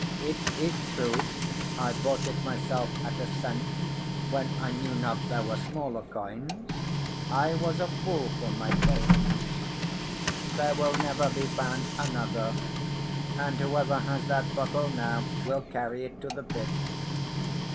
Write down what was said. "It is true I bought it myself at a cent, when I knew not there were smaller coins. I was a fool for my pains; there will never be found another: and whoever has that bottle now will carry it to the pit."